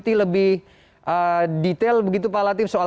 jadi lebih detail begitu pak latif soal